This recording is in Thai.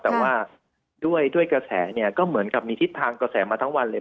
แต่ว่าด้วยกระแสเนี่ยก็เหมือนกับมีทิศทางกระแสมาทั้งวันเลย